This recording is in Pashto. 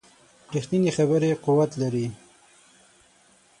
ریښتینې خبرې قوت لري